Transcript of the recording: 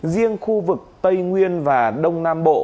riêng khu vực tây nguyên và đông nam bộ